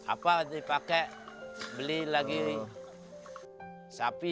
apa dipakai beli lagi sapi